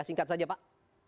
singkat saja pak